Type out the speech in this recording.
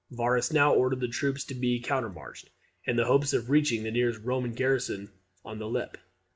Varus now ordered the troops to be countermarched, in the hope of reaching the nearest Roman garrison on the Lippe.